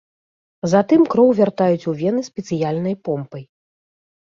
Затым кроў вяртаюць у вены спецыяльнай помпай.